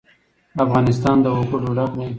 افغانستان له وګړي ډک دی.